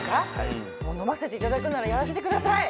飲ませていただくならやらせてください！